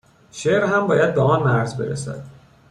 شعر هم باید به آن مرز برسد